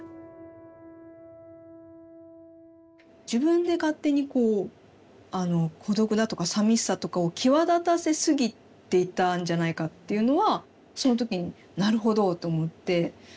自分で勝手にこう孤独だとかさみしさとかを際立たせすぎていたんじゃないかっていうのはその時になるほどって思って。